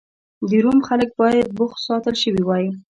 د روم خلک باید بوخت ساتل شوي وای